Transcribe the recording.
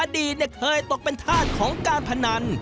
อดีตเคยตกเป็นธาตุของการพนัน